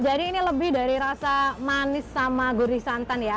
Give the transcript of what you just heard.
jadi ini lebih dari rasa manis sama gurih santan ya